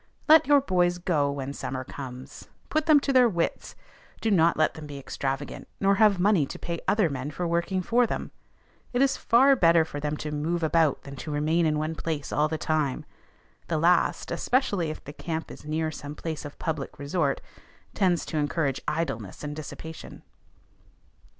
Let your boys go when summer comes; put them to their wits; do not let them be extravagant, nor have money to pay other men for working for them. It is far better for them to move about than to remain in one place all the time. The last, especially if the camp is near some place of public resort, tends to encourage idleness and dissipation.